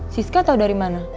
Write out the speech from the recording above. siska tau dari mana